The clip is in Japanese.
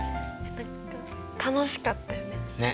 楽しかったよね。